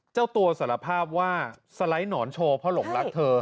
เจ้าตัวสารภาพว่าสไลด์หนอนโชว์เพราะหลงรักเธอ